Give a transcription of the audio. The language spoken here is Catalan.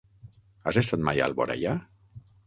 Has estat mai a Alboraia?